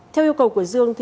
theo yêu cầu của dương